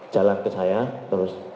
jalan ke saya terus